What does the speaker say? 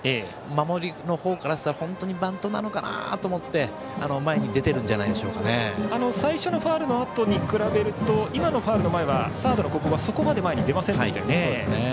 守りのほうからしたら本当にバントなのかな？と思って最初のファウルのあとに比べると今のファウルの前はサードの小久保はそこまで前に出ませんでしたね。